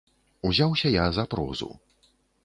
Узяўся я за прозу.